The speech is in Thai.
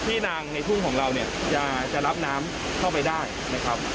นางในทุ่งของเราเนี่ยจะรับน้ำเข้าไปได้นะครับ